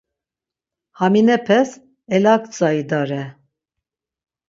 Haminepes elaktsa idare.